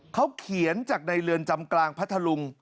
เขาเขียนจากในเรือนจำกลางพัทธลุง